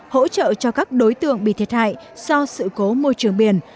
hỗ trợ cho các đối tượng bị thiệt hại do sự cố môi trường biển